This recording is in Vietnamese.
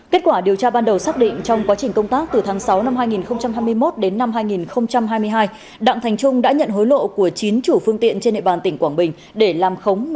kết quả điều tra ban đầu xác định trong quá trình công tác từ tháng sáu năm hai nghìn hai mươi một đến năm hai nghìn hai mươi hai đặng thành trung đã nhận hối lộ của chín chủ phương tiện trên địa bàn tỉnh quảng bình để làm khống